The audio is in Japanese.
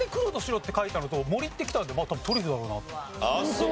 そう。